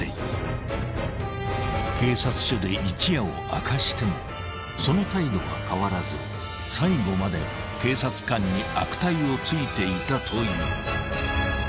［警察署で一夜を明かしてもその態度は変わらず最後まで警察官に悪態をついていたという］